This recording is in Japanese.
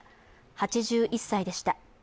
８１歳でした。